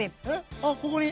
あここに？